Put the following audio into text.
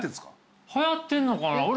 はやってんのかな？